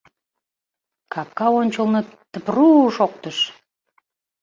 Капка ончылно тпру! шоктыш.